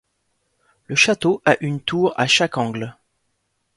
Le château a une tour à chaque angle.